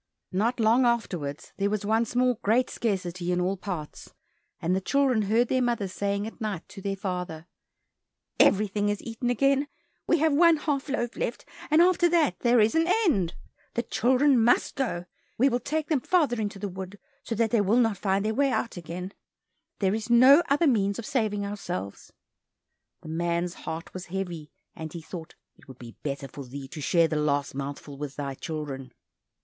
Not long afterwards, there was once more great scarcity in all parts, and the children heard their mother saying at night to their father, "Everything is eaten again, we have one half loaf left, and after that there is an end. The children must go, we will take them farther into the wood, so that they will not find their way out again; there is no other means of saving ourselves!" The man's heart was heavy, and he thought "it would be better for thee to share the last mouthful with thy children."